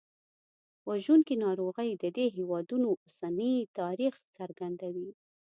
وژونکي ناروغۍ د دې هېوادونو اوسني تاریخ څرګندوي.